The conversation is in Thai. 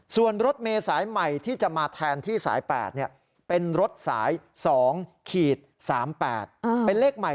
ส่วนรถเมร้าสายใหม่ที่จะมาแทนที่สาย๘